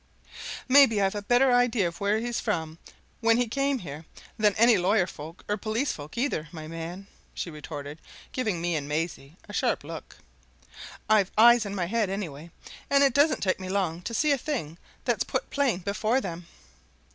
"Maybe I've a better idea of where he was from, when he came here, than any lawyer folk or police folk either, my man!" she retorted, giving me and Maisie a sharp look. "I've eyes in my head, anyway, and it doesn't take me long to see a thing that's put plain before them."